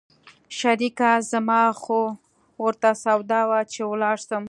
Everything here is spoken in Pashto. شريکه زما خو ورته سودا ده چې ولاړ سم.